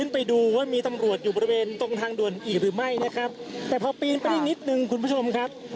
ไปดูว่ามีตำรวจอยู่บริเวณตรงทางด่วนอีกหรือไม่นะครับแต่พอปีนไปได้นิดนึงคุณผู้ชมครับ